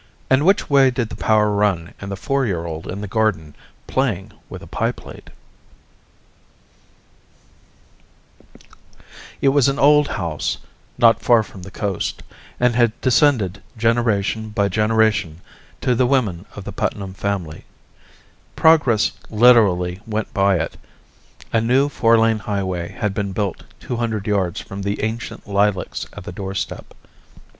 And which way did the power run in the four year old in the garden, playing with a pie plate?_ the putnam tradition By S. DORMAN Illustrated by SCHELLING It was an old house not far from the coast, and had descended generation by generation to the women of the Putnam family. Progress literally went by it: a new four lane highway had been built two hundred yards from the ancient lilacs at the doorstep.